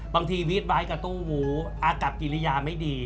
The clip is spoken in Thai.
บางทีวิทย์ไวท์กระตู้หมูอากับปีลิยาไม่ดี